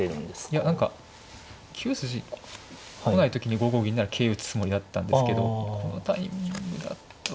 いや何か９筋来ない時に５五銀なら桂打つつもりだったんですけどこのタイミングだと銀ですかね。